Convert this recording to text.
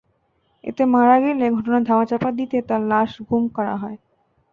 এতে মারা গেলে ঘটনা ধামাচাপা দিতে তাঁর লাশ গুম করা হয়।